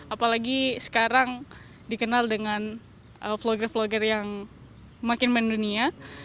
apalagi sekarang dikenal dengan vlogger vlogger yang makin mendunia